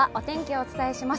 お伝えします。